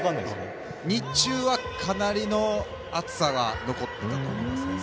日中はかなりの暑さが残ってたと思います。